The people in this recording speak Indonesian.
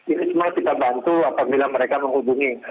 ini semua kita bantu apabila mereka menghubungi